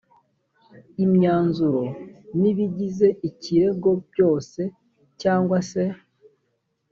imyanzuro n ibigize ikirego byose cyangwa se